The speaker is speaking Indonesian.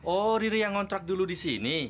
oh riri yang ngontrak dulu di sini